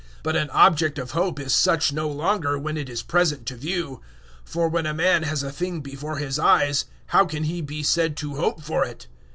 But an object of hope is such no longer when it is present to view; for when a man has a thing before his eyes, how can he be said to hope for it?